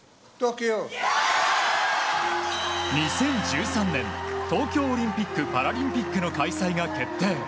２０１３年東京オリンピック・パラリンピックの開催が決定。